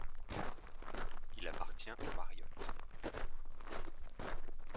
Il appartient au Marriott.